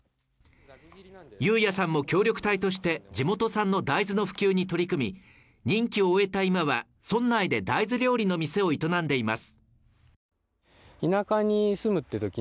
雄弥さんも協力隊として、地元産の大豆の普及に取り組み、任期を終えた今は村内で大豆料理の店を営んでいます。